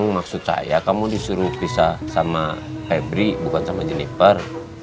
maksud saya kamu disuruh pisah sama febri bukan sama jenniper